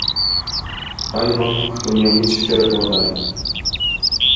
Хай вам хто-небудзь перакладае.